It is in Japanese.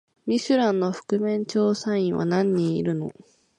ミシュランの覆面調査員は何人いるの？